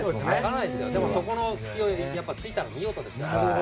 でも、そこの隙を突いたのは見事ですよ。